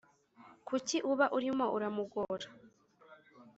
Kuki uba urimo uramugora